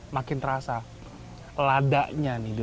yang setelah disini